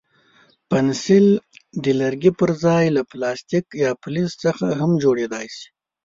پنسل د لرګي پر ځای له پلاستیک یا فلز څخه هم جوړېدای شي.